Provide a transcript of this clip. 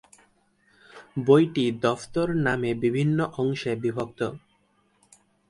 বইটি "দফতর" নামে বিভিন্ন অংশে বিভক্ত।